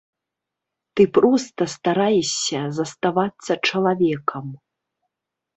Там ты проста стараешся заставацца чалавекам.